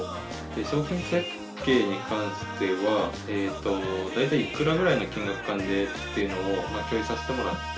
商品設計に関しては大体いくらぐらいの金額感でっていうのを共有させてもらって。